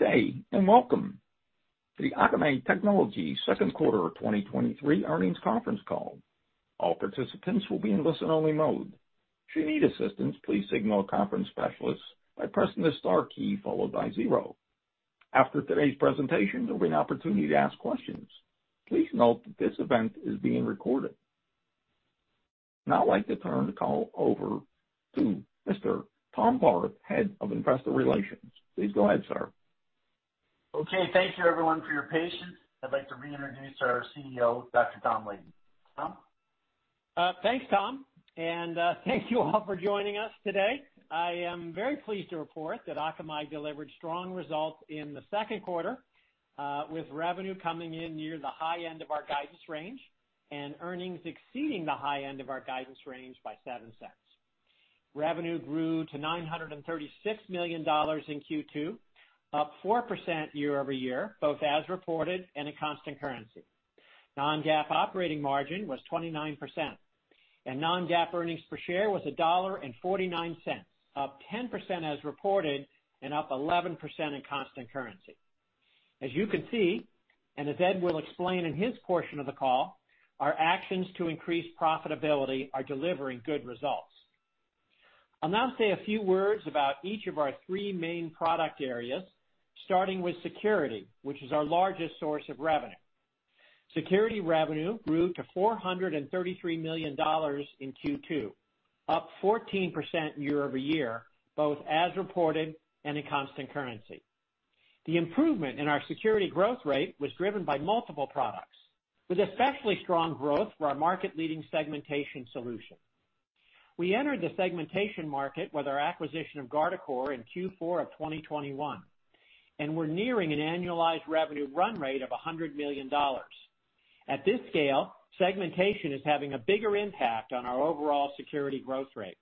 Good day, welcome to the Akamai Technologies second quarter of 2023 earnings conference call. All participants will be in listen-only mode. If you need assistance, please signal a conference specialist by pressing the star key followed by zero. After today's presentation, there will be an opportunity to ask questions. Please note that this event is being recorded. Now, I'd like to turn the call over to Mr. Tom Barth, Head of Investor Relations. Please go ahead, sir. Okay, thank you everyone for your patience. I'd like to reintroduce our CEO, Dr. Tom Leighton. Tom? Thanks, Tom, and thank you all for joining us today. I am very pleased to report that Akamai delivered strong results in the second quarter, with revenue coming in near the high end of our guidance range, and earnings exceeding the high end of our guidance range by $0.07. Revenue grew to $936 million in Q2, up 4% year-over-year, both as reported and in constant currency. non-GAAP operating margin was 29%, and non-GAAP earnings per share was $1.49, up 10% as reported and up 11% in constant currency. As you can see, and as Ed will explain in his portion of the call, our actions to increase profitability are delivering good results. I'll now say a few words about each of our three main product areas, starting with security, which is our largest source of revenue. Security revenue grew to $433 million in Q2, up 14% year-over-year, both as reported and in constant currency. The improvement in our security growth rate was driven by multiple products, with especially strong growth for our market-leading segmentation solution. We entered the segmentation market with our acquisition of Guardicore in Q4 of 2021, and we're nearing an annualized revenue run rate of $100 million. At this scale, segmentation is having a bigger impact on our overall security growth rate.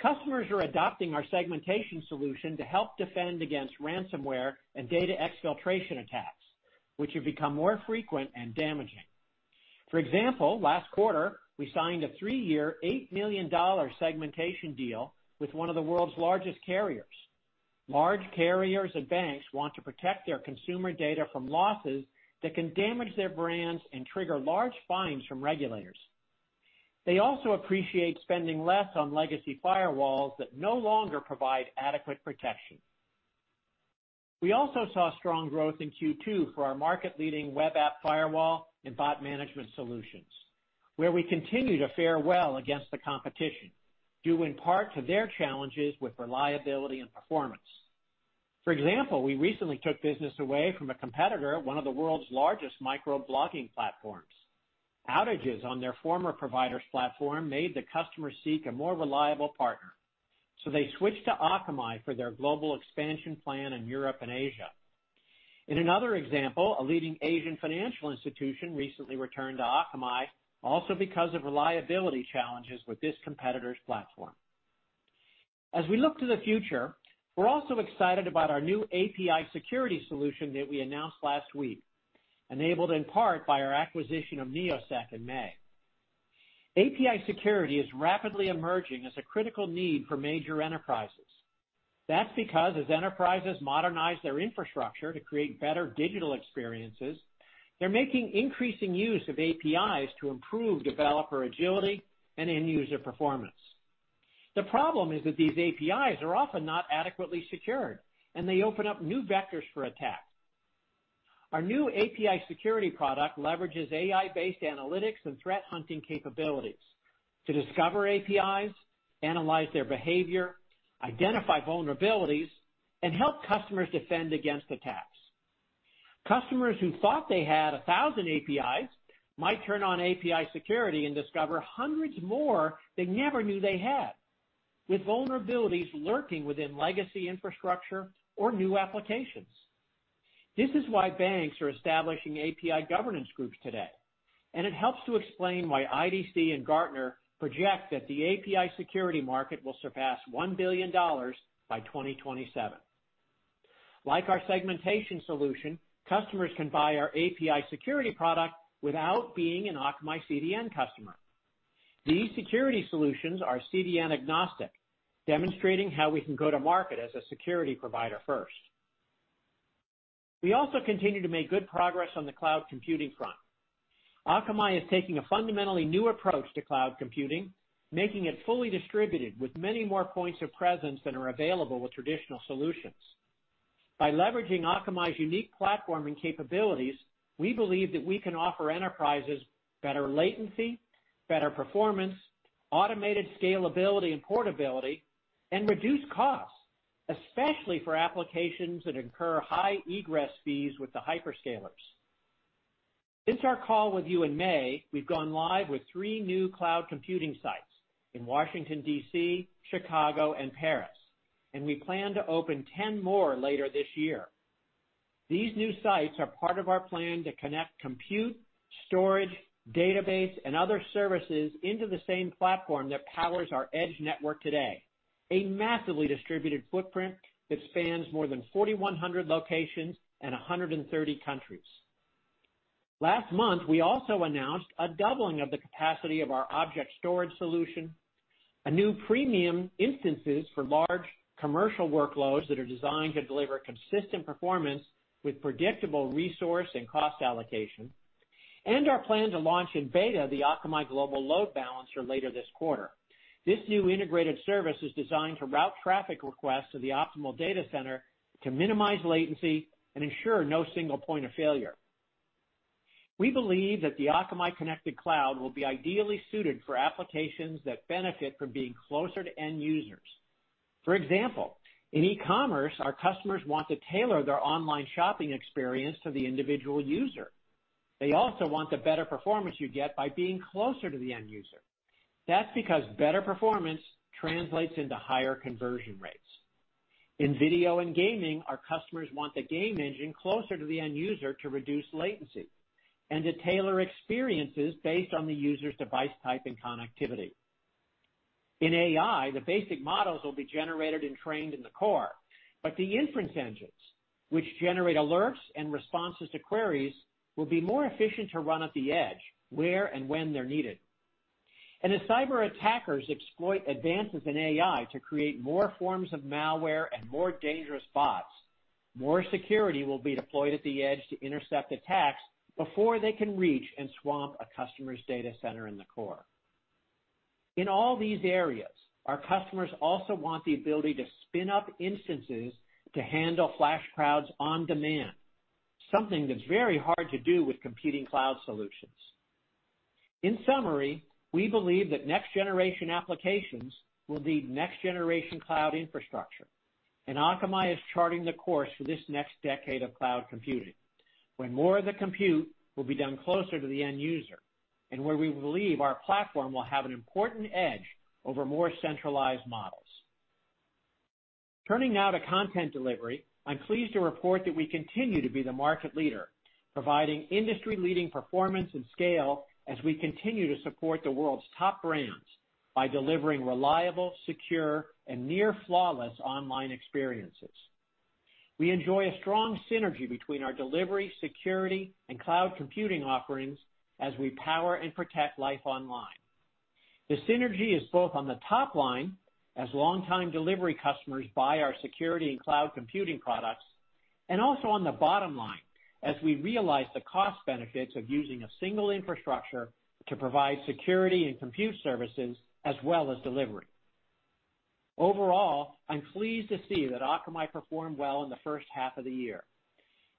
Customers are adopting our segmentation solution to help defend against ransomware and data exfiltration attacks, which have become more frequent and damaging. For example, last quarter, we signed a three-year, $8 million segmentation deal with one of the world's largest carriers. Large carriers and banks want to protect their consumer data from losses that can damage their brands and trigger large fines from regulators. They also appreciate spending less on legacy firewalls that no longer provide adequate protection. We also saw strong growth in Q2 for our market-leading web app firewall and bot management solutions, where we continue to fare well against the competition, due in part to their challenges with reliability and performance. For example, we recently took business away from a competitor at one of the world's largest micro-blogging platforms. Outages on their former provider's platform made the customer seek a more reliable partner, so they switched to Akamai for their global expansion plan in Europe and Asia. In another example, a leading Asian financial institution recently returned to Akamai also because of reliability challenges with this competitor's platform. As we look to the future, we're also excited about our new API Security solution that we announced last week, enabled in part by our acquisition of Neosec in May. API Security is rapidly emerging as a critical need for major enterprises. That's because as enterprises modernize their infrastructure to create better digital experiences, they're making increasing use of APIs to improve developer agility and end user performance. The problem is that these APIs are often not adequately secured, and they open up new vectors for attack. Our new API Security product leverages AI-based analytics and threat hunting capabilities to discover APIs, analyze their behavior, identify vulnerabilities, and help customers defend against attacks. Customers who thought they had 1,000 APIs might turn on API Security and discover hundreds more they never knew they had, with vulnerabilities lurking within legacy infrastructure or new applications. This is why banks are establishing API governance groups today, and it helps to explain why IDC and Gartner project that the API Security market will surpass $1 billion by 2027. Like our segmentation solution, customers can buy our API Security product without being an Akamai CDN customer. These security solutions are CDN agnostic, demonstrating how we can go to market as a security provider first. We also continue to make good progress on the cloud computing front. Akamai is taking a fundamentally new approach to cloud computing, making it fully distributed, with many more points of presence than are available with traditional solutions. By leveraging Akamai's unique platform and capabilities, we believe that we can offer enterprises better latency, better performance, automated scalability and portability, and reduced costs, especially for applications that incur high egress fees with the hyperscalers. Since our call with you in May, we've gone live with three new cloud computing sites in Washington, D.C., Chicago, and Paris, and we plan to open 10 more later this year. These new sites are part of our plan to connect, compute, storage, database, and other services into the same platform that powers our Edge network today, a massively distributed footprint that spans more than 4,100 locations and 130 countries. Last month, we also announced a doubling of the capacity of our object storage solution, a new Premium Instances for large commercial workloads that are designed to deliver consistent performance with predictable resource and cost allocation, and our plan to launch in beta the Akamai Global Load Balancer later this quarter. This new integrated service is designed to route traffic requests to the optimal data center to minimize latency and ensure no single point of failure. We believe that the Akamai Connected Cloud will be ideally suited for applications that benefit from being closer to end users. For example, in e-commerce, our customers want to tailor their online shopping experience to the individual user. They also want the better performance you get by being closer to the end user. That's because better performance translates into higher conversion rates. In video and gaming, our customers want the game engine closer to the end user to reduce latency and to tailor experiences based on the user's device type and connectivity. In AI, the basic models will be generated and trained in the core, but the inference engines, which generate alerts and responses to queries, will be more efficient to run at the edge, where and when they're needed. As cyber attackers exploit advances in AI to create more forms of malware and more dangerous bots, more security will be deployed at the edge to intercept attacks before they can reach and swamp a customer's data center in the core. In all these areas, our customers also want the ability to spin up instances to handle flash crowds on demand, something that's very hard to do with competing cloud solutions. In summary, we believe that next-generation applications will need next-generation cloud infrastructure, and Akamai is charting the course for this next decade of cloud computing, when more of the compute will be done closer to the end user, and where we believe our platform will have an important edge over more centralized models. Turning now to content delivery, I'm pleased to report that we continue to be the market leader, providing industry-leading performance and scale as we continue to support the world's top brands by delivering reliable, secure, and near-flawless online experiences. We enjoy a strong synergy between our delivery, security, and cloud computing offerings as we power and protect life online. The synergy is both on the top line, as longtime delivery customers buy our security and cloud computing products, and also on the bottom line, as we realize the cost benefits of using a single infrastructure to provide security and compute services as well as delivery. Overall, I'm pleased to see that Akamai performed well in the first half of the year.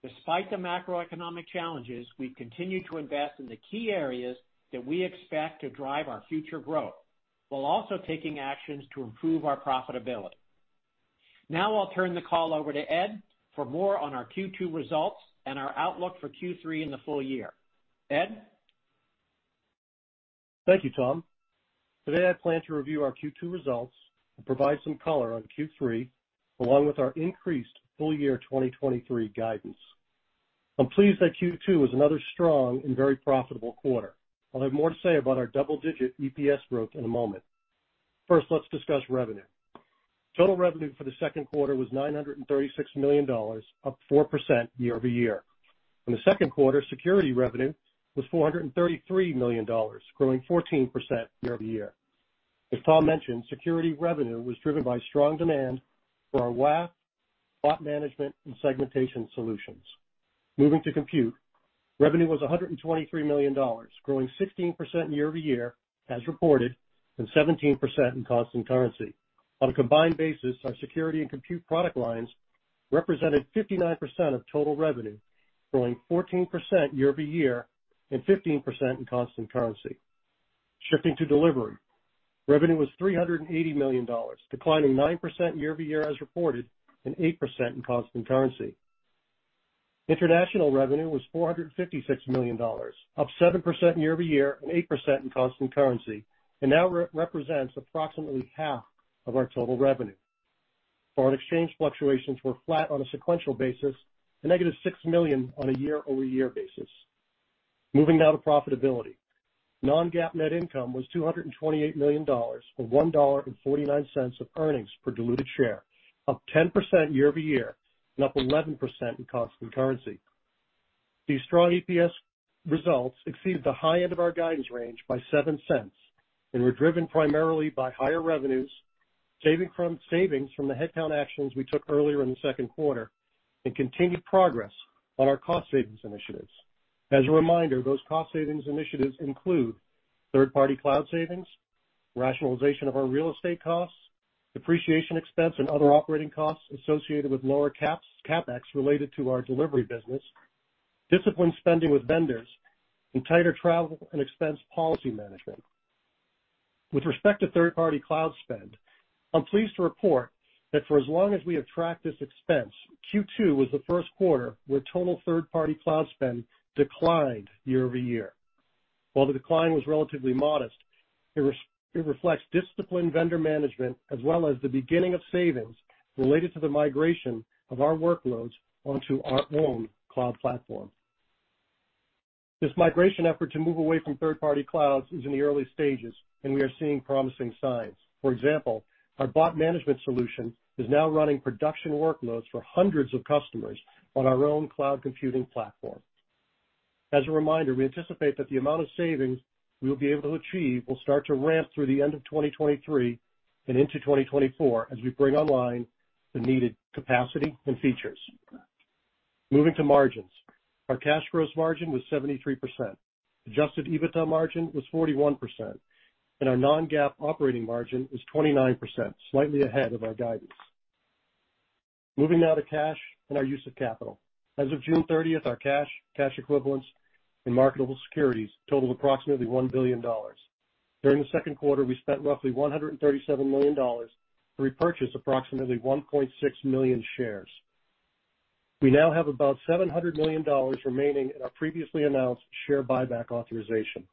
Despite the macroeconomic challenges, we've continued to invest in the key areas that we expect to drive our future growth, while also taking actions to improve our profitability. I'll turn the call over to Ed for more on our Q2 results and our outlook for Q3 and the full year. Ed? Thank you, Tom. Today, I plan to review our Q2 results and provide some color on Q3, along with our increased full year 2023 guidance. I'm pleased that Q2 was another strong and very profitable quarter. I'll have more to say about our double-digit EPS growth in a moment. First, let's discuss revenue. Total revenue for the second quarter was $936 million, up 4% year-over-year. In the second quarter, security revenue was $433 million, growing 14% year-over-year. As Tom mentioned, security revenue was driven by strong demand for our WAF, bot management, and segmentation solutions. Moving to compute, revenue was $123 million, growing 16% year-over-year, as reported, and 17% in constant currency. On a combined basis, our security and compute product lines represented 59% of total revenue, growing 14% year-over-year and 15% in constant currency. Shifting to delivery, revenue was $380 million, declining 9% year-over-year as reported, and 8% in constant currency. International revenue was $456 million, up 7% year-over-year and 8% in constant currency, and now represents approximately half of our total revenue. Foreign exchange fluctuations were flat on a sequential basis, and negative $6 million on a year-over-year basis. Moving now to profitability. Non-GAAP net income was $228 million, or $1.49 of earnings per diluted share, up 10% year-over-year and up 11% in constant currency. These strong EPS results exceeded the high end of our guidance range by $0.07 and were driven primarily by higher revenues, savings from the headcount actions we took earlier in the second quarter, and continued progress on our cost savings initiatives. As a reminder, those cost savings initiatives include third-party cloud savings, rationalization of our real estate costs, depreciation expense, and other operating costs associated with lower CapEx related to our delivery business, disciplined spending with vendors, and tighter travel and expense policy management. With respect to third-party cloud spend, I'm pleased to report that for as long as we have tracked this expense, Q2 was the first quarter where total third-party cloud spend declined year-over-year. While the decline was relatively modest, it reflects disciplined vendor management as well as the beginning of savings related to the migration of our workloads onto our own cloud platform. This migration effort to move away from third-party clouds is in the early stages. We are seeing promising signs. For example, our bot management solution is now running production workloads for hundreds of customers on our own cloud computing platform. As a reminder, we anticipate that the amount of savings we will be able to achieve will start to ramp through the end of 2023 and into 2024 as we bring online the needed capacity and features. Moving to margins, our cash gross margin was 73%, adjusted EBITDA margin was 41%. Our non-GAAP operating margin was 29%, slightly ahead of our guidance. Moving now to cash and our use of capital. As of June 30th, our cash, cash equivalents, and marketable securities totaled approximately $1 billion. During the second quarter, we spent roughly $137 million to repurchase approximately 1.6 million shares. We now have about $700 million remaining in our previously announced share buyback authorization.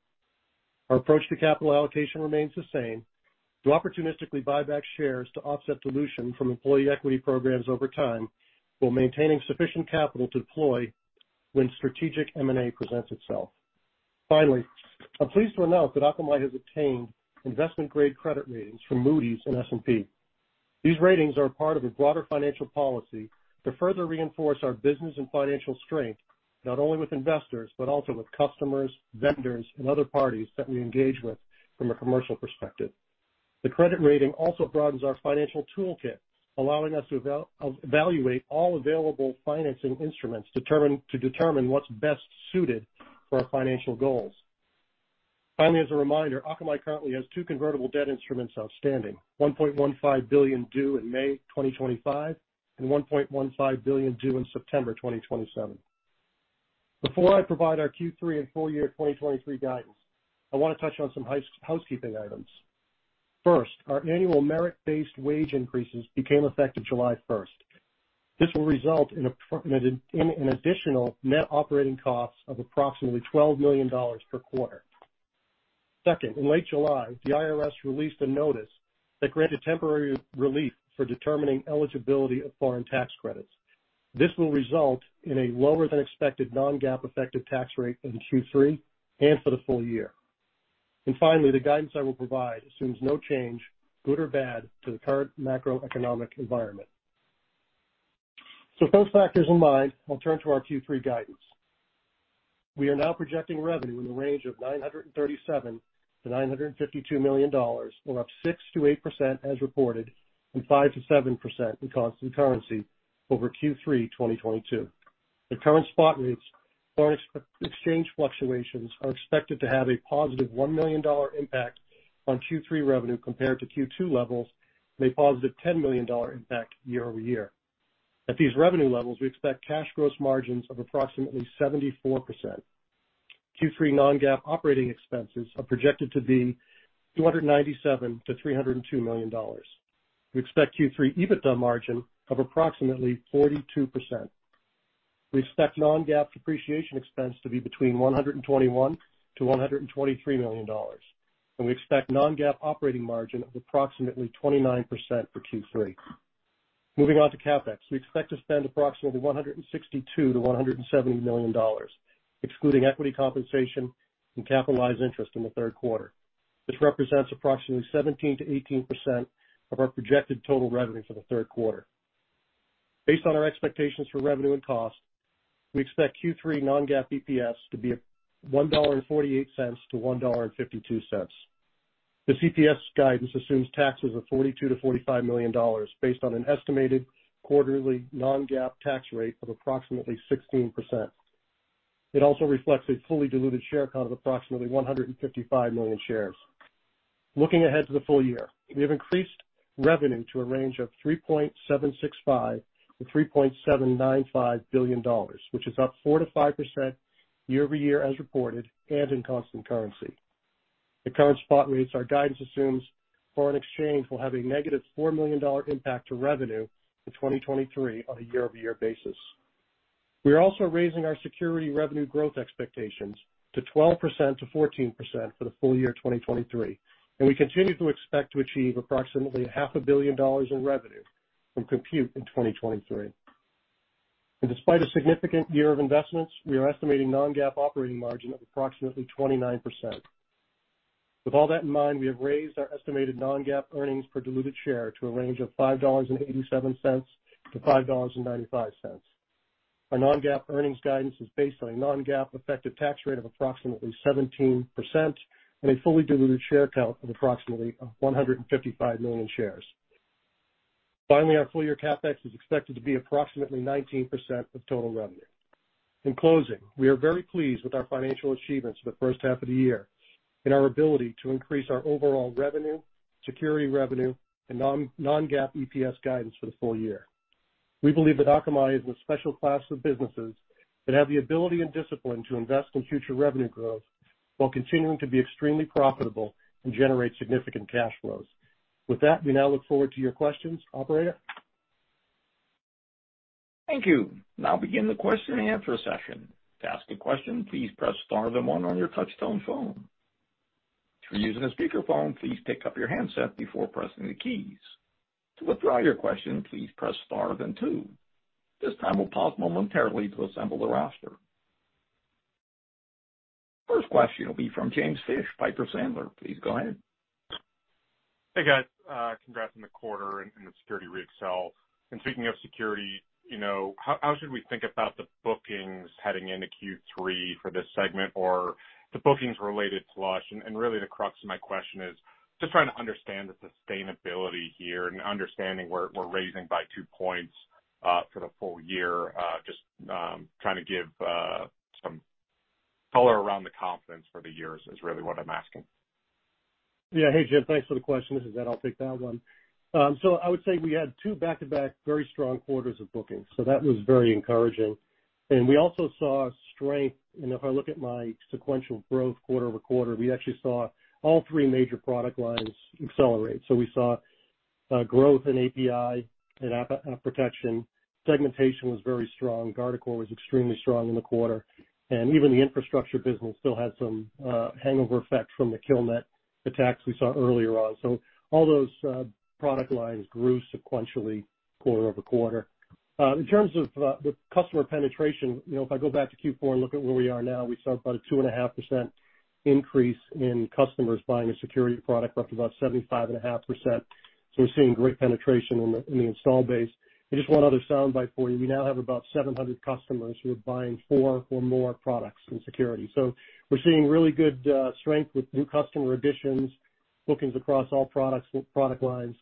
Our approach to capital allocation remains the same: to opportunistically buy back shares to offset dilution from employee equity programs over time, while maintaining sufficient capital to deploy when strategic M&A presents itself. Finally, I'm pleased to announce that Akamai has obtained investment-grade credit ratings from Moody's and S&P. These ratings are a part of a broader financial policy to further reinforce our business and financial strength, not only with investors, but also with customers, vendors, and other parties that we engage with from a commercial perspective. The credit rating also broadens our financial toolkit, allowing us to evaluate all available financing instruments, to determine what's best suited for our financial goals. Finally, as a reminder, Akamai currently has two convertible debt instruments outstanding, $1.15 billion due in May 2025, and $1.15 billion due in September 2027. Before I provide our Q3 and full year 2023 guidance, I want to touch on some housekeeping items. First, our annual merit-based wage increases became effective July 1st. This will result in an additional net operating cost of approximately $12 million per quarter. Second, in late July, the IRS released a notice that granted temporary relief for determining eligibility of foreign tax credits. This will result in a lower than expected non-GAAP effective tax rate in Q3 and for the full year. Finally, the guidance I will provide assumes no change, good or bad, to the current macroeconomic environment. With those factors in mind, I'll turn to our Q3 guidance. We are now projecting revenue in the range of $937 million-$952 million, or up 6%-8% as reported, and 5%-7% in constant currency over Q3 2022. The current spot rates, foreign exchange fluctuations are expected to have a positive $1 million impact on Q3 revenue compared to Q2 levels, and a positive $10 million impact year-over-year. At these revenue levels, we expect cash gross margins of approximately 74%. Q3 non-GAAP operating expenses are projected to be $297 million-$302 million. We expect Q3 EBITDA margin of approximately 42%. We expect non-GAAP depreciation expense to be between $121 million-$123 million, and we expect non-GAAP operating margin of approximately 29% for Q3. Moving on to CapEx, we expect to spend approximately $162 million-$170 million, excluding equity compensation and capitalized interest in the third quarter, which represents approximately 17%-18% of our projected total revenue for the third quarter. Based on our expectations for revenue and cost, we expect Q3 non-GAAP EPS to be $1.48-$1.52. The EPS guidance assumes taxes of $42 million-$45 million, based on an estimated quarterly non-GAAP tax rate of approximately 16%. It also reflects a fully diluted share count of approximately 155 million shares. Looking ahead to the full year, we have increased revenue to a range of $3.765 billion-$3.795 billion, which is up 4%-5% year-over-year as reported and in constant currency. At current spot rates, our guidance assumes foreign exchange will have a negative $4 million impact to revenue in 2023 on a year-over-year basis. We are also raising our security revenue growth expectations to 12%-14% for the full year 2023, and we continue to expect to achieve approximately $500 million in revenue from compute in 2023. Despite a significant year of investments, we are estimating non-GAAP operating margin of approximately 29%. With all that in mind, we have raised our estimated non-GAAP earnings per diluted share to a range of $5.87-$5.95. Our non-GAAP earnings guidance is based on a non-GAAP effective tax rate of approximately 17% and a fully diluted share count of approximately 155 million shares. Finally, our full year CapEx is expected to be approximately 19% of total revenue. In closing, we are very pleased with our financial achievements for the first half of the year and our ability to increase our overall revenue, security revenue, and non-GAAP EPS guidance for the full year. We believe that Akamai is a special class of businesses that have the ability and discipline to invest in future revenue growth, while continuing to be extremely profitable and generate significant cash flows. With that, we now look forward to your questions. Operator? Thank you. I'll now begin the question and answer session. To ask a question, please press star then one on your touch-tone phone. If you're using a speakerphone, please pick up your handset before pressing the keys. To withdraw your question, please press star then two. This time, we'll pause momentarily to assemble the roster. First question will be from James Fish, Piper Sandler. Please go ahead. Hey, guys, congrats on the quarter and the security re-accel. Speaking of security, you know, how should we think about the bookings heading into Q3 for this segment or the bookings related to [Lush]? Really the crux of my question is just trying to understand the sustainability here and understanding we're raising by 2 points for the full year. Just trying to give some color around the confidence for the years is really what I'm asking. Yeah. Hey, Jim, thanks for the question. This is Ed, I'll take that one. I would say we had two back-to-back very strong quarters of bookings, so that was very encouraging. We also saw strength, and if I look at my sequential growth quarter-over-quarter, we actually saw all three major product lines accelerate. We saw growth in API and app protection. Segmentation was very strong. Guardicore was extremely strong in the quarter, and even the infrastructure business still had some hangover effect from the KillNet attacks we saw earlier on. All those product lines grew sequentially quarter-over-quarter. In terms of the customer penetration, you know, if I go back to Q4 and look at where we are now, we saw about a 2.5% increase in customers buying a security product, we're up to about 75.5%. We're seeing great penetration in the, in the install base. Just one other soundbite for you. We now have about 700 customers who are buying four or more products in security. We're seeing really good strength with new customer additions, bookings across all products, product lines.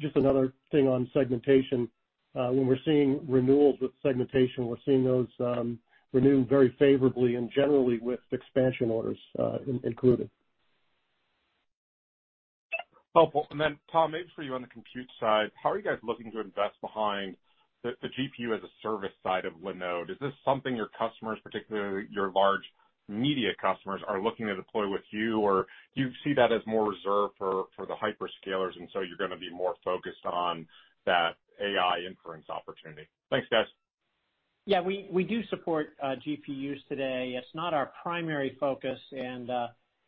Just another thing on segmentation. When we're seeing renewals with segmentation, we're seeing those renew very favorably and generally with expansion orders included. Helpful. Then, Tom, maybe for you on the compute side, how are you guys looking to invest behind the GPU as a service side of Linode? Is this something your customers, particularly your large media customers, are looking to deploy with you? Do you see that as more reserved for, for the hyperscalers, and so you're gonna be more focused on that AI inference opportunity? Thanks, guys. Yeah, we, we do support GPUs today. It's not our primary focus, and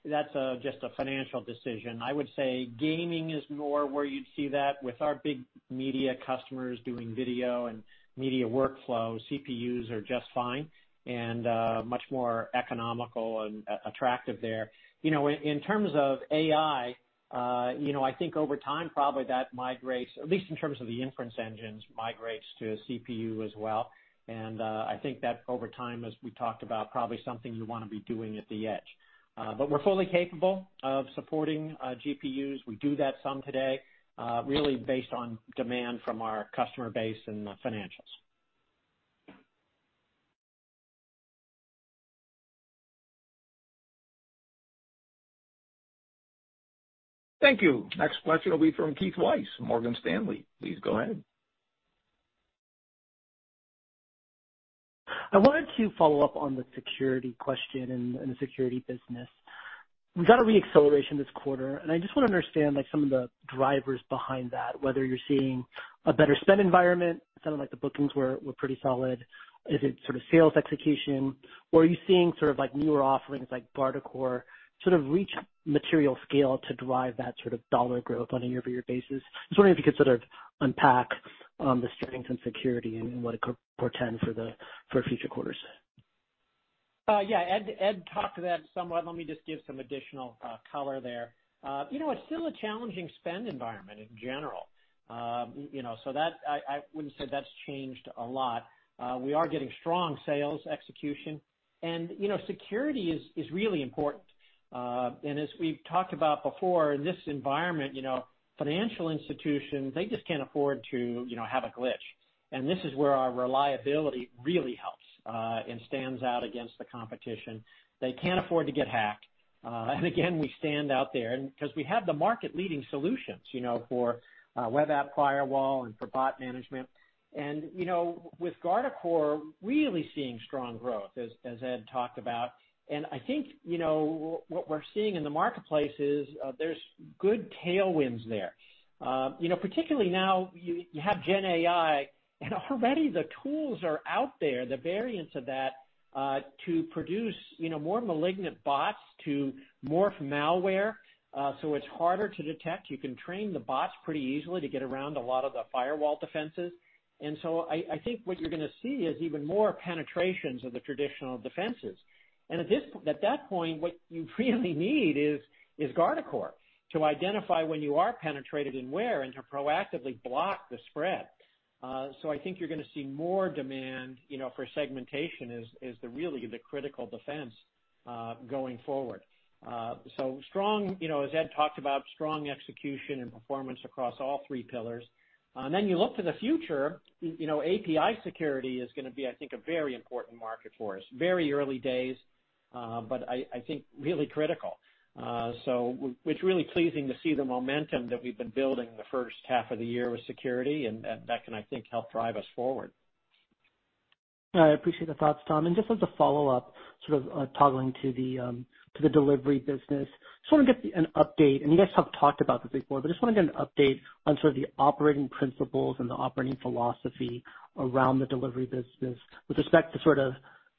that's just a financial decision. I would say gaming is more where you'd see that. With our big media customers doing video and media workflow, CPUs are just fine and much more economical and attractive there. You know, in, in terms of AI, you know, I think over time, probably that migrates, at least in terms of the inference engines, migrates to CPU as well. I think that over time, as we talked about, probably something you wanna be doing at the edge. We're fully capable of supporting GPUs. We do that some today, really based on demand from our customer base and financials. Thank you. Next question will be from Keith Weiss, Morgan Stanley. Please go ahead. I wanted to follow up on the security question and the security business. We got a re-acceleration this quarter. I just wanna understand, like, some of the drivers behind that, whether you're seeing a better spend environment, sounded like the bookings were pretty solid. Is it sort of sales execution, or are you seeing sort of like newer offerings like Guardicore, sort of reach material scale to drive that sort of dollar growth on a year-over-year basis? Just wondering if you could sort of unpack the strengths and security and what it could portend for future quarters. Yeah, Ed, Ed talked to that somewhat. Let me just give some additional color there. You know, it's still a challenging spend environment in general. You know, so that I, I wouldn't say that's changed a lot. We are getting strong sales execution, and, you know, security is, is really important. As we've talked about before, in this environment, you know, financial institutions, they just can't afford to, you know, have a glitch. This is where our reliability really helps and stands out against the competition. They can't afford to get hacked. Again, we stand out there, 'cause we have the market-leading solutions, you know, for web app firewall and for bot management. You know, with Guardicore, really seeing strong growth, as, as Ed talked about. I think, you know, what, what we're seeing in the marketplace is, there's good tailwinds there. You know, particularly now, you, you have Gen AI, and already the tools are out there, the variants of that, to produce, you know, more malignant bots, to morph malware, so it's harder to detect. You can train the bots pretty easily to get around a lot of the firewall defenses. I, I think what you're gonna see is even more penetrations of the traditional defenses. At that point, what you really need is, is Guardicore, to identify when you are penetrated and where, and to proactively block the spread. I think you're gonna see more demand, you know, for segmentation, is, is the really the critical defense, going forward. Strong, you know, as Ed talked about, strong execution and performance across all three pillars. Then you look to the future, you know, API Security is gonna be, I think, a very important market for us. Very early days, but I, I think really critical. Which really pleasing to see the momentum that we've been building in the first half of the year with security, and that can, I think, help drive us forward. I appreciate the thoughts, Tom. Just as a follow-up, sort of, toggling to the delivery business, just wanna get an update, and you guys have talked about this before, but I just wanted an update on sort of the operating principles and the operating philosophy around the delivery business with respect to sort of,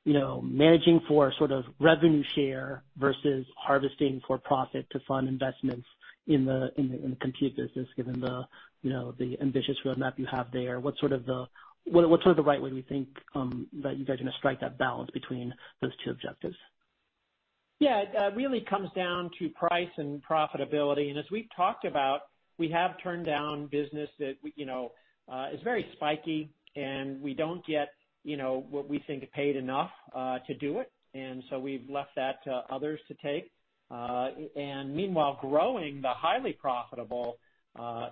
you know, managing for sort of revenue share versus harvesting for profit to fund investments in the, in the, in the compute business, given the, you know, the ambitious roadmap you have there. What, what's sort of the right way we think that you guys are gonna strike that balance between those two objectives? Yeah, it really comes down to price and profitability. As we've talked about, we have turned down business that we, you know, is very spiky, and we don't get, you know, what we think paid enough to do it. We've left that to others to take. Meanwhile, growing the highly profitable,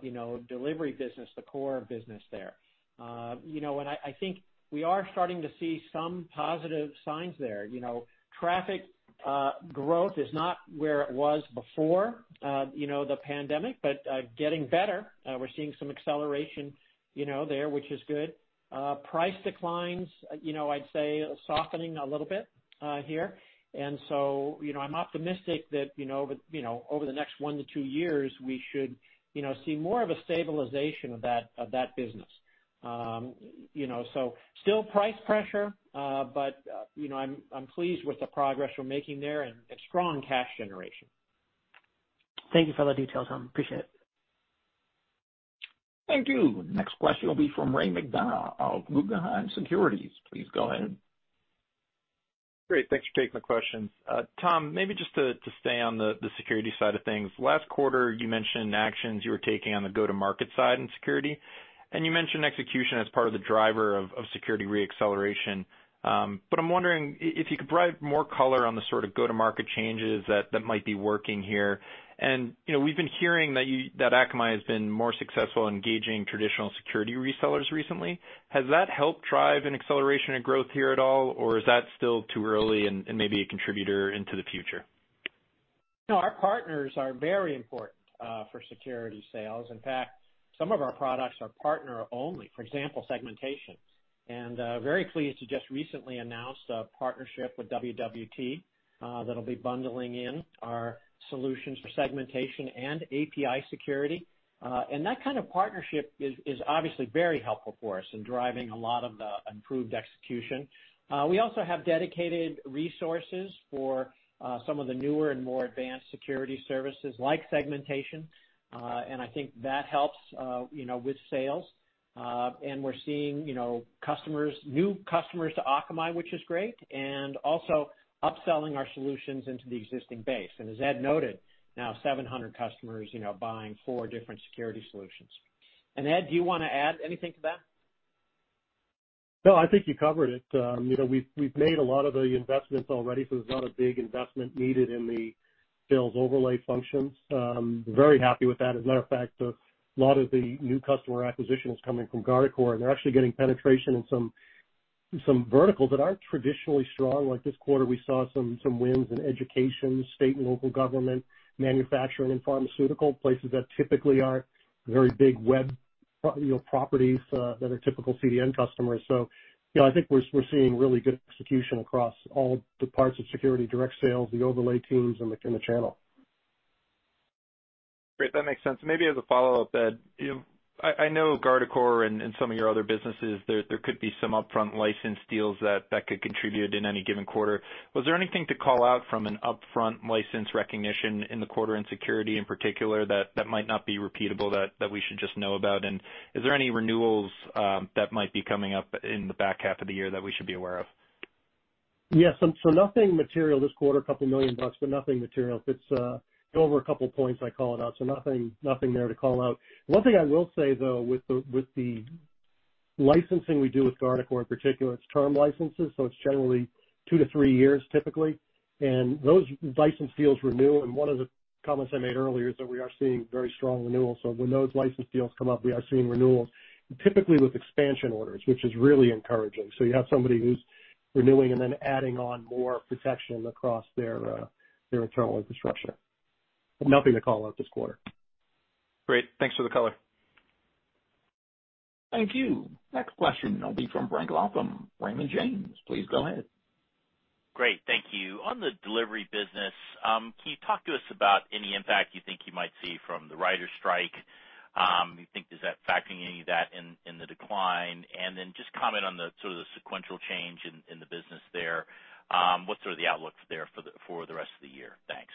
you know, delivery business, the core business there. You know, I, I think we are starting to see some positive signs there. You know, traffic growth is not where it was before, you know, the pandemic, but getting better. We're seeing some acceleration, you know, there, which is good. Price declines, you know, I'd say softening a little bit here. You know, I'm optimistic that, you know, but, you know, over the next one to two years, we should, you know, see more of a stabilization of that, of that business. you know, still price pressure, but, you know, I'm, I'm pleased with the progress we're making there and, and strong cash generation. Thank you for the details, Tom. Appreciate it. Thank you. Next question will be from Ray McDonough of Guggenheim Securities. Please go ahead. Great. Thanks for taking my questions. Tom, maybe just to, to stay on the security side of things. Last quarter, you mentioned actions you were taking on the go-to-market side in security, but I'm wondering if you could provide more color on the sort of go-to-market changes that, that might be working here. And, you know, we've been hearing that Akamai has been more successful in engaging traditional security resellers recently. Has that helped drive an acceleration and growth here at all, or is that still too early and, and maybe a contributor into the future? No, our partners are very important, for security sales. In fact, some of our products are partner only, for example, segmentation. Very pleased to just recently announced a partnership with WWT, that'll be bundling in our solutions for segmentation and API Security. That kind of partnership is, is obviously very helpful for us in driving a lot of the improved execution. We also have dedicated resources for, some of the newer and more advanced security services, like segmentation, and I think that helps, you know, with sales. We're seeing, you know, customers, new customers to Akamai, which is great, and also upselling our solutions into the existing base. As Ed noted, now 700 customers, you know, buying four different security solutions. Ed, do you wanna add anything to that? No, I think you covered it. You know, we've, we've made a lot of the investments already, so there's not a big investment needed in the sales overlay functions. Very happy with that. As a matter of fact, a lot of the new customer acquisition is coming from Guardicore, and they're actually getting penetration in some, some verticals that aren't traditionally strong. Like this quarter, we saw some, some wins in education, state and local government, manufacturing and pharmaceutical, places that typically aren't very big web, you know, properties, that are typical CDN customers. You know, I think we're, we're seeing really good execution across all the parts of security, direct sales, the overlay teams, and the, and the channel. Great, that makes sense. Maybe as a follow-up, Ed, you know, I, I know Guardicore and, and some of your other businesses, there, there could be some upfront license deals that, that could contribute in any given quarter. Was there anything to call out from an upfront license recognition in the quarter in security, in particular, that, that might not be repeatable, that, that we should just know about? Is there any renewals that might be coming up in the back half of the year that we should be aware of? Yes. Nothing material this quarter, a couple million dollars, but nothing material. If it's over a couple points, I call it out, so nothing, nothing there to call out. One thing I will say, though, with the, with the licensing we do with Guardicore, in particular, it's term licenses, so it's generally two to three years typically, and those license deals renew. One of the comments I made earlier is that we are seeing very strong renewals. When those license deals come up, we are seeing renewals, typically with expansion orders, which is really encouraging. You have somebody who's renewing and then adding on more protection across their internal infrastructure. Nothing to call out this quarter. Great. Thanks for the color. Thank you. Next question will be from Frank Louthan, Raymond James. Please go ahead. Great. Thank you. On the delivery business, can you talk to us about any impact you might see from the writers' strike? Is that factoring any of that in, in the decline? Then just comment on the sort of the sequential change in, in the business there. What's sort of the outlook there for the, for the rest of the year? Thanks.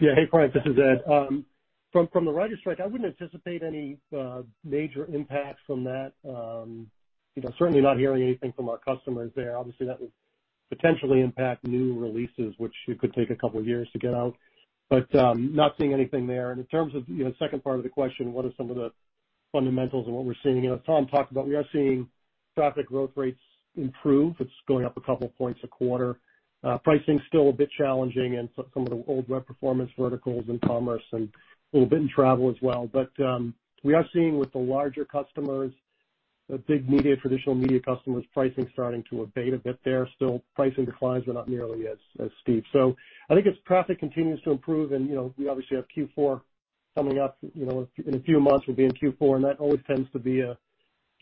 Yeah. Hey, Frank, this is Ed. From, from the writers' strike, I wouldn't anticipate any major impacts from that. You know, certainly not hearing anything from our customers there. Obviously, that would potentially impact new releases, which could take two years to get out, but not seeing anything there. In terms of, you know, the second part of the question, what are some of the fundamentals and what we're seeing, you know, Tom talked about, we are seeing traffic growth rates improve. It's going up 2 points a quarter. Pricing is still a bit challenging in some, some of the old web performance verticals and commerce and a little bit in travel as well. We are seeing with the larger customers, the big media, traditional media customers, pricing starting to abate a bit there. Still, pricing declines are not nearly as, as steep. I think as traffic continues to improve, you know, we obviously have Q4 coming up, you know, in a few months we'll be in Q4, and that always tends to be a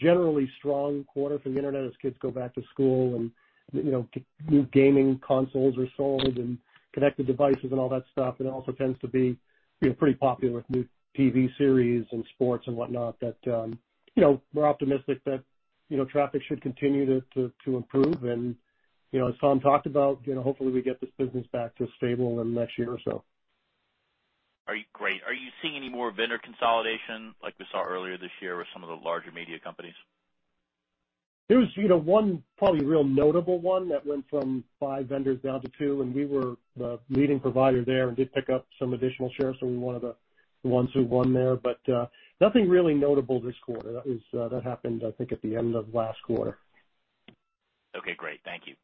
generally strong quarter for the internet as kids go back to school and, you know, new gaming consoles are sold and connected devices and all that stuff. It also tends to be, you know, pretty popular with new TV series and sports and whatnot that, you know, we're optimistic that, you know, traffic should continue to, to, to improve. You know, as Tom talked about, you know, hopefully, we get this business back to stable in the next year or so. Great. Are you seeing any more vendor consolidation like we saw earlier this year with some of the larger media companies? There was, you know, one probably real notable one that went from five vendors down to two, and we were the leading provider there and did pick up some additional shares from one of the, the ones who won there, but nothing really notable this quarter. That was, that happened, I think, at the end of last quarter. Okay, great. Thank you.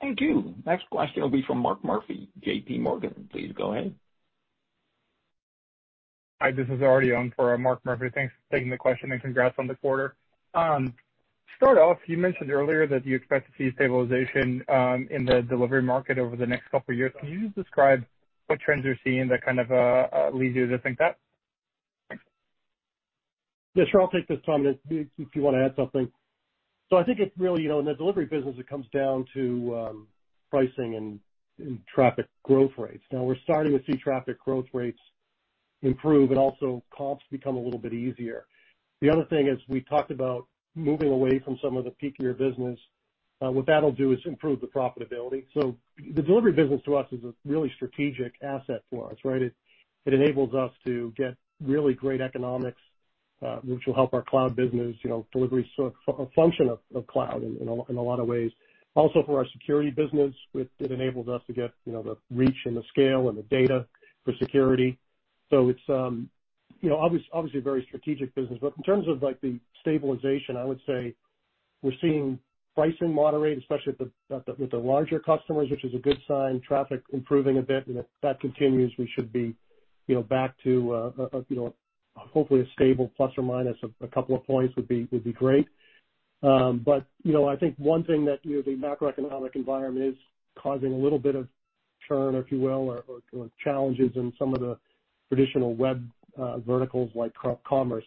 Thank you. Next question will be from Mark Murphy, JP Morgan, please go ahead. Hi, this is Ari Young for Mark Murphy. Thanks for taking the question. Congrats on the quarter. To start off, you mentioned earlier that you expect to see stabilization in the delivery market over the next couple of years. Can you just describe what trends you're seeing that kind of lead you to think that? Thanks. Yeah, sure. I'll take this, Tom, and if you want to add something. I think it's really, you know, in the delivery business, it comes down to pricing and, and traffic growth rates. Now we're starting to see traffic growth rates improve and also comps become a little bit easier. The other thing is, we talked about moving away from some of the peakier business. What that'll do is improve the profitability. The delivery business to us is a really strategic asset for us, right? It, it enables us to get really great economics, which will help our cloud business. You know, delivery is a, a function of, of cloud in a, in a lot of ways. Also, for our security business, it, it enables us to get, you know, the reach and the scale and the data for security. It's, you know, obviously a very strategic business. In terms of, like, the stabilization, I would say we're seeing pricing moderate, especially at the, at the, with the larger customers, which is a good sign. Traffic improving a bit, and if that continues, we should be, you know, back to, you know, hopefully a stable plus or minus. A couple of points would be, would be great. I think one thing that, you know, the macroeconomic environment is causing a little bit of churn, if you will, or, or, or challenges in some of the traditional web, verticals like commerce.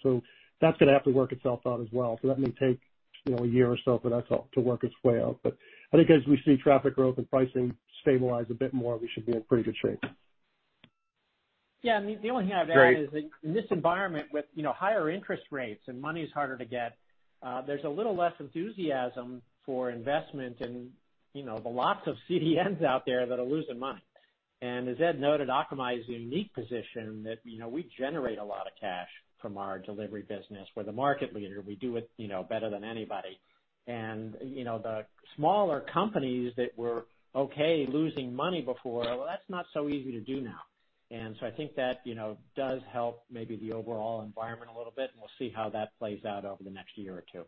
That's gonna have to work itself out as well. That may take, you know, one year or so for that to, to work its way out. I think as we see traffic growth and pricing stabilize a bit more, we should be in pretty good shape. Yeah, the, the only thing I'd add- Great.... is in this environment with, you know, higher interest rates and money is harder to get. There's a little less enthusiasm for investment in, you know, the lots of CDNs out there that are losing money. As Ed noted, Akamai is in a unique position that, you know, we generate a lot of cash from our delivery business. We're the market leader. We do it, you know, better than anybody. You know, the smaller companies that were okay losing money before, well, that's not so easy to do now. I think that, you know, does help maybe the overall environment a little bit, and we'll see how that plays out over the next year or two.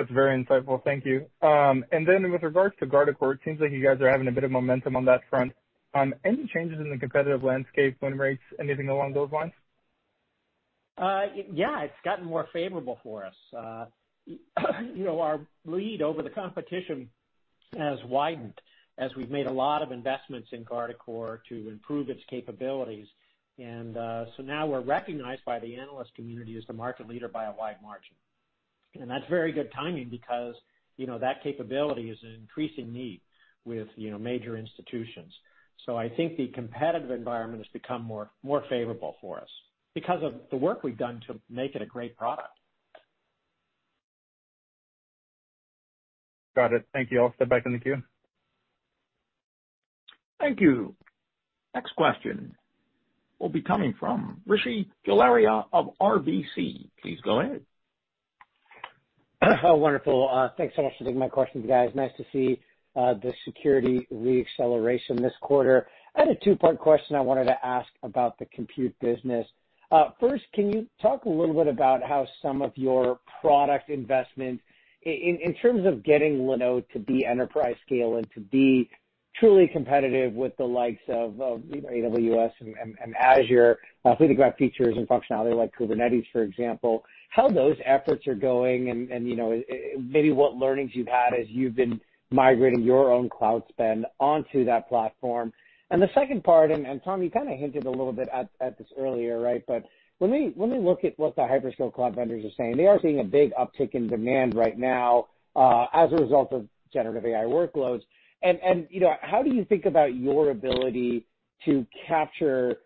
That's very insightful. Thank you. With regards to Guardicore, it seems like you guys are having a bit of momentum on that front. Any changes in the competitive landscape, win rates, anything along those lines? Yeah, it's gotten more favorable for us. You know, our lead over the competition has widened as we've made a lot of investments in Guardicore to improve its capabilities. So now we're recognized by the analyst community as the market leader by a wide margin. That's very good timing because, you know, that capability is an increasing need with, you know, major institutions. I think the competitive environment has become more, more favorable for us because of the work we've done to make it a great product. Got it. Thank you. I'll step back in the queue. Thank you. Next question will be coming from Rishi Jaluria of RBC. Please go ahead. Wonderful. Thanks so much for taking my questions, guys. Nice to see the security reacceleration this quarter. I had a two-part question I wanted to ask about the compute business. First, can you talk a little bit about how some of your product investments in terms of getting Linode to be enterprise scale and to be truly competitive with the likes of, you know, AWS and Azure, when you've got features and functionality like Kubernetes, for example, how those efforts are going and, you know, maybe what learnings you've had as you've been migrating your own cloud spend onto that platform? The second part, and Tom, you kind of hinted a little bit at this earlier, right? When we look at what the hyperscale cloud vendors are saying, they are seeing a big uptick in demand right now as a result of generative AI workloads. You know, how do you think about your ability to capture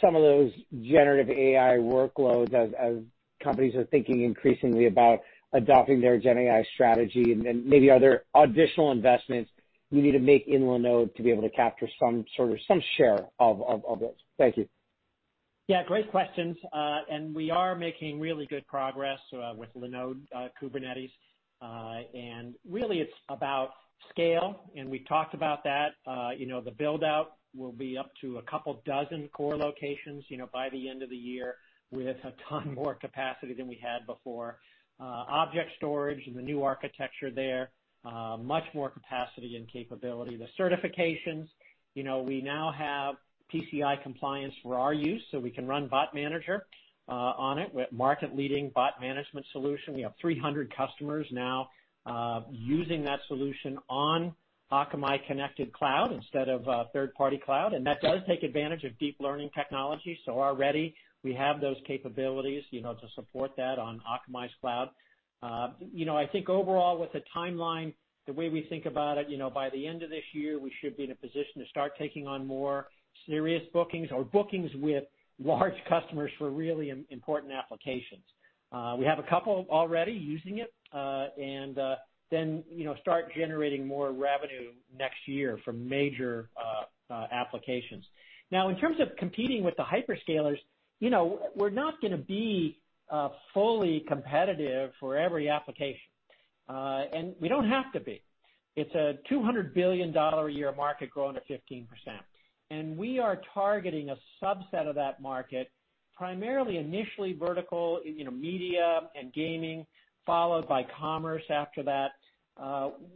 some of those generative AI workloads as companies are thinking increasingly about adopting their Gen AI strategy? Maybe are there additional investments you need to make in Linode to be able to capture some sort of, some share of this? Thank you. Yeah, great questions. We are making really good progress with Linode, Kubernetes. Really, it's about scale, and we talked about that. You know, the build-out will be up to a couple dozen core locations, you know, by the end of the year, with a ton more capacity than we had before. Object storage and the new architecture there, much more capacity and capability. The certifications, you know, we now have PCI compliance for our use, so we can run Bot Manager on it. We have market-leading bot management solution. We have 300 customers now, using that solution on Akamai Connected Cloud instead of third-party cloud. That does take advantage of deep learning technology, so already we have those capabilities, you know, to support that on Akamai's cloud. You know, I think overall, with the timeline, the way we think about it, you know, by the end of this year, we should be in a position to start taking on more serious bookings or bookings with large customers for really important applications. We have a couple already using it, and then, you know, start generating more revenue next year from major applications. In terms of competing with the hyperscalers, you know, we're not gonna be fully competitive for every application, and we don't have to be. It's a $200 billion a year market growing at 15%, and we are targeting a subset of that market, primarily initially vertical, you know, media and gaming, followed by commerce after that,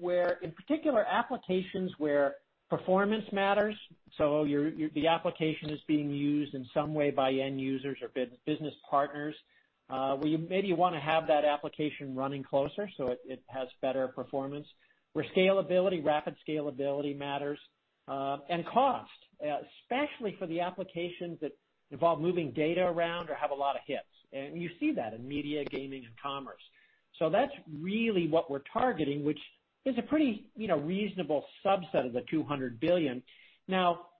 where in particular applications where performance matters, so the application is being used in some way by end users or business partners, where you maybe wanna have that application running closer, so it, it has better performance, where scalability, rapid scalability matters, and cost, especially for the applications that involve moving data around or have a lot of hits. You see that in media, gaming, and commerce. That's really what we're targeting, which is a pretty, you know, reasonable subset of the $200 billion.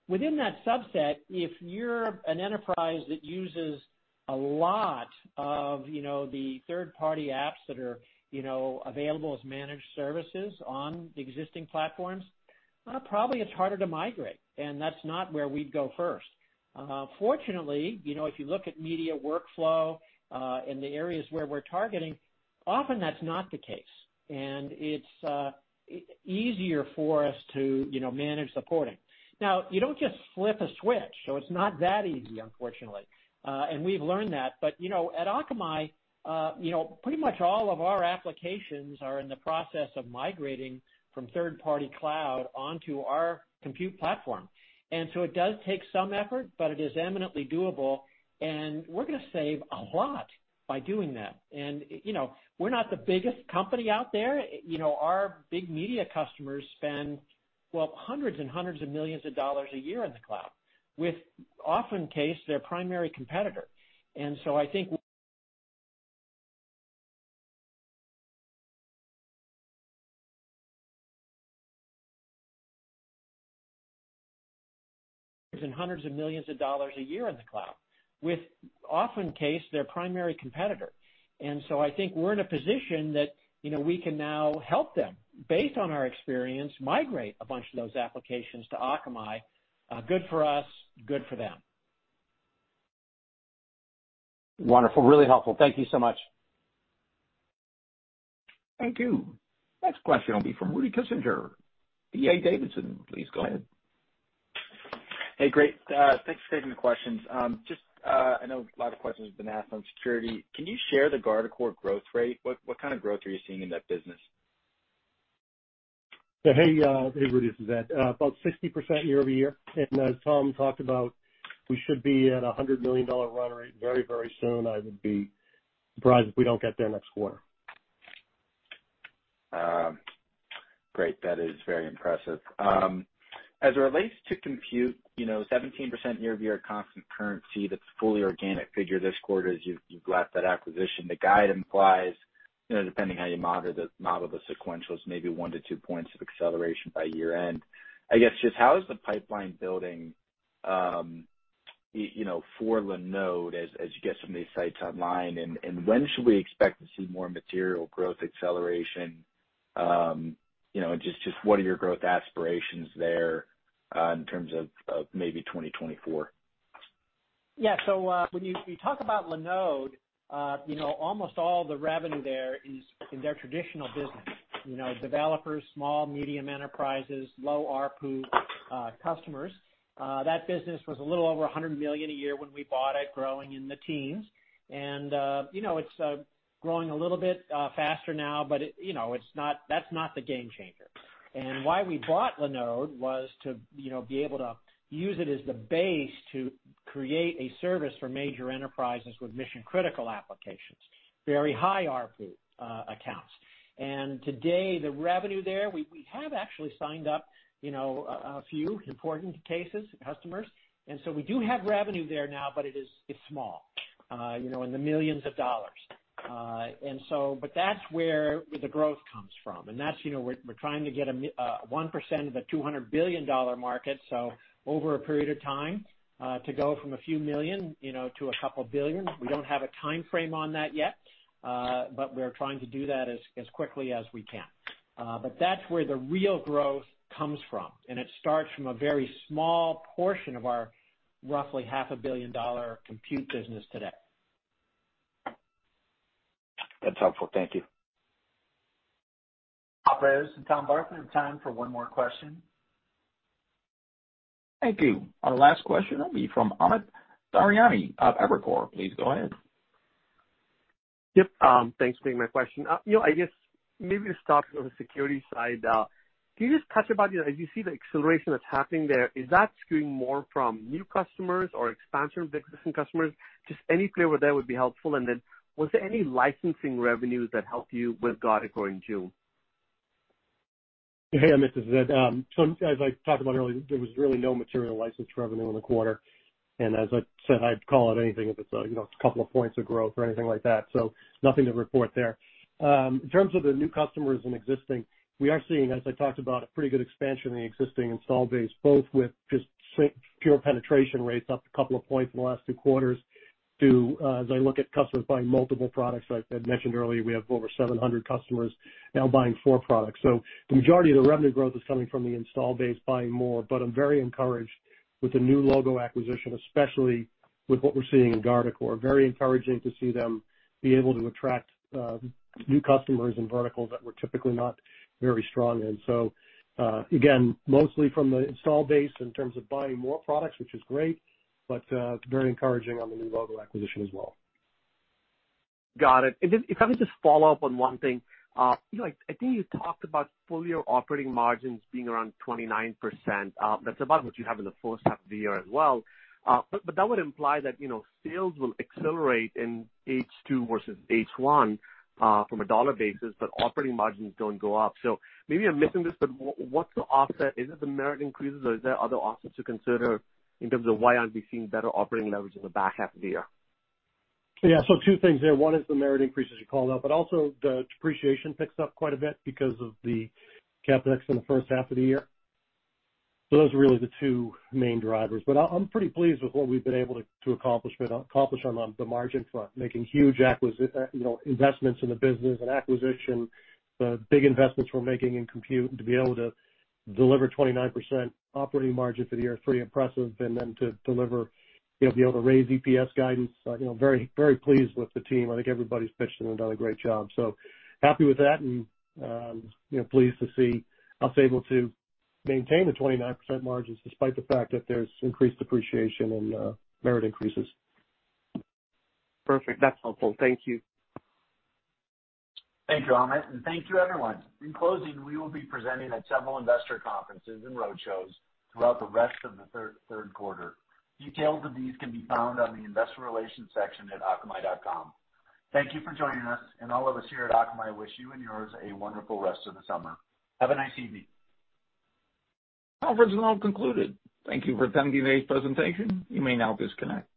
Within that subset, if you're an enterprise that uses a lot of, you know, the third-party apps that are, you know, available as managed services on the existing platforms, probably it's harder to migrate, and that's not where we'd go first. Fortunately, you know, if you look at media workflow, in the areas where we're targeting, often that's not the case, and it's easier for us to, you know, manage the porting. You don't just flip a switch, so it's not that easy, unfortunately, and we've learned that. You know, at Akamai, you know, pretty much all of our applications are in the process of migrating from third-party cloud onto our compute platform. So it does take some effort, but it is eminently doable, and we're gonna save a lot by doing that. You know, we're not the biggest company out there. You know, our big media customers spend, well, hundreds and hundreds of millions of dollars a year in the cloud, with often case, their primary competitor. hundreds and hundreds of millions of dollars a year in the cloud, with often case, their primary competitor. So I think we're in a position that, you know, we can now help them, based on our experience, migrate a bunch of those applications to Akamai. Good for us, good for them. Wonderful. Really helpful. Thank you so much. Thank you. Next question will be from Rudy Kessinger, D.A. Davidson. Please go ahead. Hey, great. Thanks for taking the questions. Just, I know a lot of questions have been asked on security. Can you share the Guardicore growth rate? What, what kind of growth are you seeing in that business? Hey, hey, Rudy, this is Ed. About 60% year-over-year, and as Tom talked about, we should be at a $100 million run rate very, very soon. I would be surprised if we don't get there next quarter. Great, that is very impressive. As it relates to compute, you know, 17% year-over-year constant currency, that's a fully organic figure this quarter, as you've, you've left that acquisition. The guide implies, you know, depending on how you model the, model the sequentials, maybe 1 point to 2 points of acceleration by year-end. I guess, just how is the pipeline building, you know, for Linode as, as you get some of these sites online? When should we expect to see more material growth acceleration? You know, just, just what are your growth aspirations there, in terms of, of maybe 2024? Yeah. When you, you talk about Linode, you know, almost all the revenue there is in their traditional business, you know, developers, small, medium enterprises, low ARPU, customers. That business was a little over $100 million a year when we bought it, growing in the teens. You know, it's growing a little bit faster now, but it, you know, it's not, that's not the game changer. Why we bought Linode was to, you know, be able to use it as the base to create a service for major enterprises with mission-critical applications, very high ARPU, accounts. Today, the revenue there, we, we have actually signed up, you know, a few important cases, customers, and so we do have revenue there now, but it is, it's small, you know, in the millions of dollars. But that's where the growth comes from, and that's, you know, we're, we're trying to get a 1% of a $200 billion market. Over a period of time, to go from a few million, you know, to a couple billion. We don't have a timeframe on that yet, but we're trying to do that as quickly as we can. That's where the real growth comes from, and it starts from a very small portion of our roughly $500 million compute business today. That's helpful. Thank you. Operators and Tom Barth, time for one more question. Thank you. Our last question will be from Amit Daryanani of Evercore. Please go ahead. Yep. Thanks for taking my question. You know, I guess maybe to start on the security side, can you just touch about, as you see the acceleration that's happening there, is that skewing more from new customers or expansion of existing customers? Just any clarity over there would be helpful. Then, was there any licensing revenues that helped you with Guardicore in June? Hey, Amit, this is Ed. So as I talked about earlier, there was really no material license revenue in the quarter. As I said, I'd call it anything if it's, you know, a couple of points of growth or anything like that. Nothing to report there. In terms of the new customers and existing, we are seeing, as I talked about, a pretty good expansion in the existing install base, both with just straight pure penetration rates up a couple of points in the last two quarters to, as I look at customers buying multiple products, like I mentioned earlier, we have over 700 customers now buying four products. The majority of the revenue growth is coming from the install base buying more, but I'm very encouraged with the new logo acquisition, especially with what we're seeing in Guardicore. Very encouraging to see them be able to attract new customers in verticals that we're typically not very strong in. Again, mostly from the install base in terms of buying more products, which is great. It's very encouraging on the new logo acquisition as well. Got it. If I could just follow up on one thing. You know, I, I think you talked about full year operating margins being around 29%. That's about what you have in the first half of the year as well. That would imply that, you know, sales will accelerate in H2 versus H1 from a dollar basis, but operating margins don't go up. Maybe I'm missing this, but what's the offset? Is it the merit increases or is there other offsets to consider in terms of why aren't we seeing better operating leverage in the back half of the year? Yeah. Two things there. One is the merit increases, you called out, but also the depreciation picks up quite a bit because of the CapEx in the first half of the year. Those are really the two main drivers. I, I'm pretty pleased with what we've been able to accomplish on the margin front, making huge, you know, investments in the business and acquisition, the big investments we're making in compute, to be able to deliver 29% operating margin for the year is pretty impressive. Then to deliver, you know, be able to raise EPS guidance, you know, very, very pleased with the team. I think everybody's pitched in and done a great job. Happy with that, and, you know, pleased to see us able to maintain the 29% margins despite the fact that there's increased depreciation and merit increases. Perfect. That's helpful. Thank you. Thank you, Amit, and thank you, everyone. In closing, we will be presenting at several investor conferences and roadshows throughout the rest of the third quarter. Details of these can be found on the investor relations section at akamai.com. Thank you for joining us, and all of us here at Akamai wish you and yours a wonderful rest of the summer. Have a nice evening. Conference is now concluded. Thank you for attending today's presentation. You may now disconnect.